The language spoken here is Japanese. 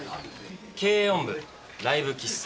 軽音部ライブ喫茶。